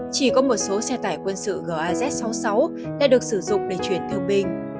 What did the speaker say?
chỉ có một số xe tải quân sự gaz sáu mươi sáu đã được sử dụng để chuyển từ binh